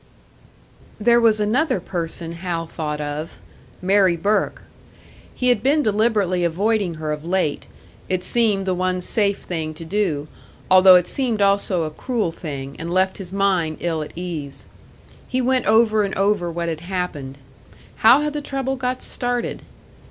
There was another person Hal thought of Mary Burke. He had been deliberately avoiding her of late; it seemed the one safe thing to do although it seemed also a cruel thing, and left his mind ill at ease. He went over and over what had happened. How had the trouble got started?